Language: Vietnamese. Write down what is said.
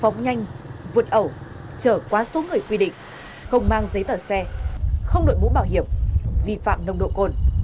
phóng nhanh vượt ẩu trở quá số người quy định không mang giấy tờ xe không đội mũ bảo hiểm vi phạm nồng độ cồn